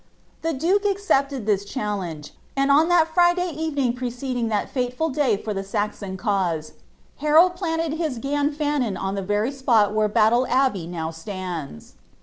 * The duke accepted this challenge , and on ihe Friday evening pre ceding that fatal day for the Saxon cause, Harold plained his ganfuuon on the very spot where Battle Abbey now stands.